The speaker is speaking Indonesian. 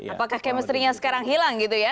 apakah chemistrynya sekarang hilang gitu ya